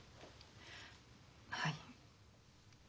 はい。